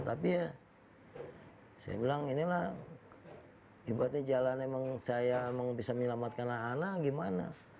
tapi ya saya bilang inilah ibatnya jalanan memang saya bisa menyelamatkan anak anak gimana